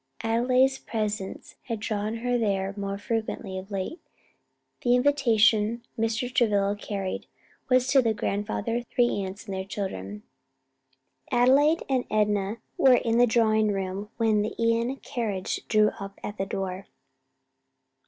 Adelaide's presence had drawn her there more frequently of late. The invitation Mr. Travilla carried was to the grandfather, three aunts and all their children. Adelaide and Enna were in the drawing room when the Ion carriage drew up at the door.